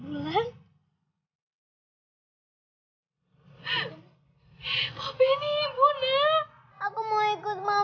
bila yang dia melakukan itu